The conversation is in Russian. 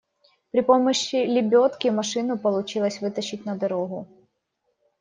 При помощи лебедки машину получилось вытащить на дорогу.